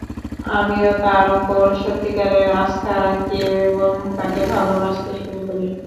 আমিও তাঁর ওপর সত্যিকারের আস্থা রাখি এবং তাঁকে ভালোবাসতে শুরু করি।